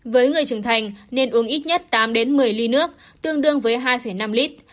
với người trưởng thành nên uống ít nhất tám đến một mươi ly nước tương đương với hai năm lít